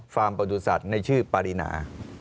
ฟาร์มประดูษัตริย์ในชื่อปรินา